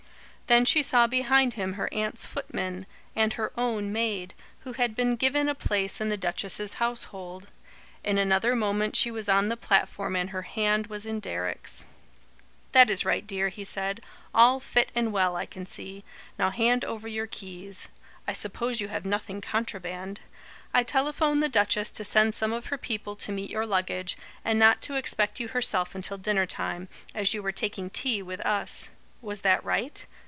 Then she saw behind him her aunt's footman, and her own maid, who had been given a place in the duchess's household. In another moment she was on the platform and her hand was in Deryck's. "That is right, dear," he said. "All fit and well, I can see. Now hand over your keys. I suppose you have nothing contraband? I telephoned the duchess to send some of her people to meet your luggage, and not to expect you herself until dinner time, as you were taking tea with us. Was that right?